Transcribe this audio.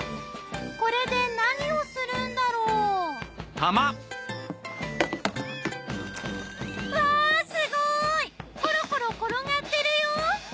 これで何をするんだろう？わすごいコロコロ転がってるよ！